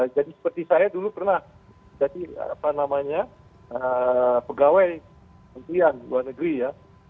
jadi seperti saya dulu pernah jadi pegawai kementerian luar negeri ya